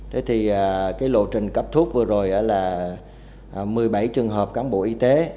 thế thì cái lộ trình cấp thuốc vừa rồi là một mươi bảy trường hợp cán bộ y tế